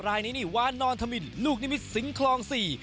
รายนี้นี่วานอนธมินลูกนิมิตสิงคลองสี่